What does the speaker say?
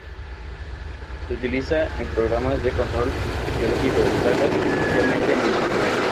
Se utiliza en programas de control biológico de plagas, especialmente en invernaderos.